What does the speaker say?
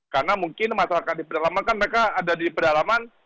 karena mungkin masyarakat di pedalaman kan mereka ada di pedalaman